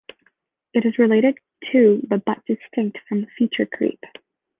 It is related to but distinct from feature creep.